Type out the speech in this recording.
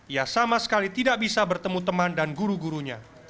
ia sama sekali tidak bisa bertemu teman dan guru gurunya